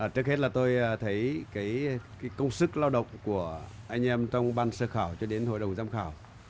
trước hết là tôi thấy cái công sức lao động của anh em trong ban sơ khảo cho đến hội đồng giám khảo